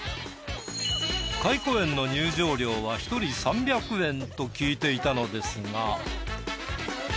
懐古園の入場料は１人３００円と聞いていたのですが。